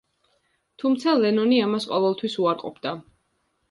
თუმცა, ლენონი ამას ყოველთვის უარყოფდა.